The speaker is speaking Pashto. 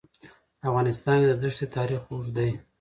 په افغانستان کې د دښتې تاریخ اوږد دی.